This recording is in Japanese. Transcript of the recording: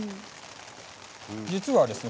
実はですね